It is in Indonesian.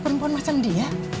perempuan macam dia